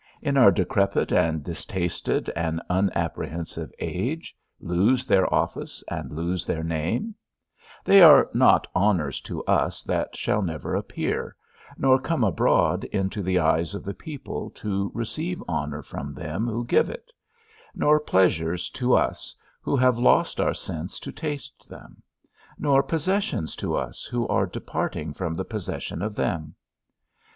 in our decrepit and distasted and unapprehensive age, lose their office, and lose their name; they are not honours to us that shall never appear, nor come abroad into the eyes of the people, to receive honour from them who give it; nor pleasures to us, who have lost our sense to taste them; nor possessions to us, who are departing from the possession of them.